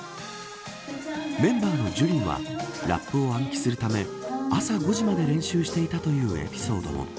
メンバーのＪＵＲＩＮはラップを暗記するため朝５時まで練習していたというエピソードも。